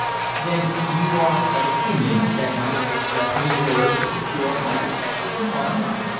"Then you are of opinion that my wife left me in order to secure my protection from harm?"